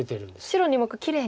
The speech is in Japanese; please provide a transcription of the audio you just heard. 白２目きれいに。